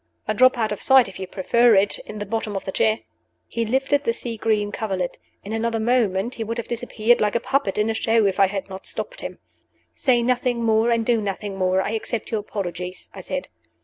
I'll drop out of sight, if you prefer it, in the bottom of the chair." He lifted the sea green coverlet. In another moment he would have disappeared like a puppet in a show if I had not stopped him. "Say nothing more, and do nothing more; I accept your apologies," I said.